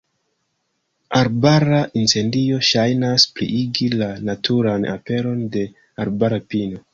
Arbara incendio ŝajnas pliigi la naturan aperon de arbara pino.